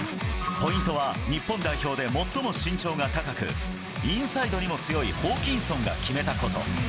ポイントは日本代表で最も身長が高く、インサイドにも強いホーキンソンが決めたこと。